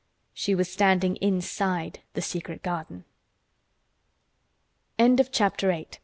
She was standing inside the secret garden. CHAPTER IX.